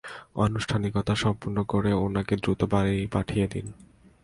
আনুষ্ঠানিকতা সম্পন্ন করে উনাকে দ্রুত বাড়ি পাঠিয়ে দিন।